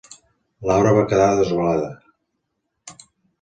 Laura va quedar desolada.